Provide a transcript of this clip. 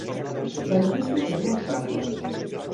L'edifici té dues plantes.